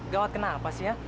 gawat kenapa sih ya